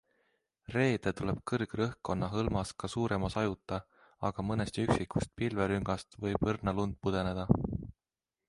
Reede tuleb kõrgrõhkkonna hõlmas ka suurema sajuta, aga mõnest üksikust pilverüngast võib õrna lund pudeneda.